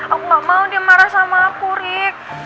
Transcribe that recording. aku nggak mau dia marah sama aku rik